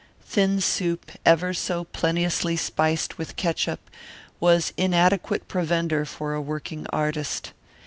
Thin soup, ever so plenteously spiced with catsup, was inadequate provender for a working artist.